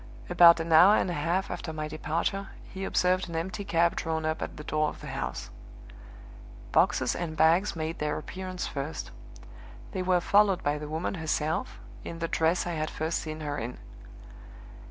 About an hour and a half after my departure he observed an empty cab drawn up at the door of the house. Boxes and bags made their appearance first; they were followed by the woman herself, in the dress I had first seen her in.